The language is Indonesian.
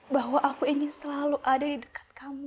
bahwa aku ingin selalu ada di dekat kamu